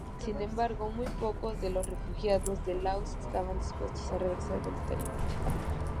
Sin embargo, muy pocos de los refugiados de Laos estaban dispuestos a regresar voluntariamente.